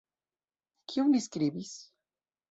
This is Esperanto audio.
Kion li skribis?